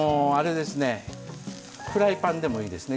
フライパンでもいいですね。